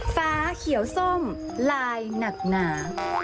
ฟ้าเขียวส้มลายหนักหนา